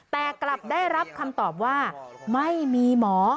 แต่กลับได้รับคำตอบว่าไม่มีหมอ